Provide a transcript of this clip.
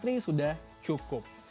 i tiga sudah cukup